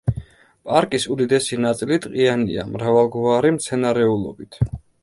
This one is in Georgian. პარკის უდიდესი ნაწილი ტყიანია, მრავალგვარი მცენარეულობით.